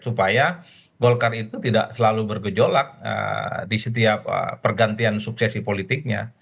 supaya golkar itu tidak selalu bergejolak di setiap pergantian suksesi politiknya